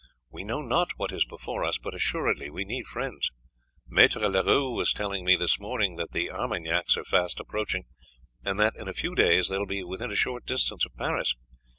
We know not what is before us, but assuredly we need friends. Maître Leroux was telling me this morning that the Armagnacs are fast approaching, and that in a few days they will be within a short distance of Paris.